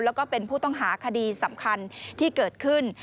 แล้วก็เป็นผู้ต้องหาคดีสำคัญที่เกิดขึ้น